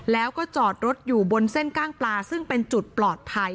แล้วก็จอดรถอยู่บนเส้นกล้างปลาซึ่งเป็นจุดปลอดภัย